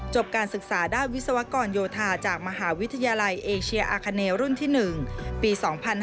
การศึกษาด้านวิศวกรโยธาจากมหาวิทยาลัยเอเชียอาคาเนรุ่นที่๑ปี๒๕๕๙